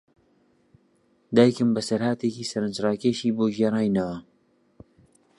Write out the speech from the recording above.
دایکم بەسەرهاتێکی سەرنجڕاکێشی بۆ گێڕاینەوە.